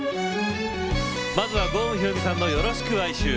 まずは、郷ひろみさんの「よろしく哀愁」。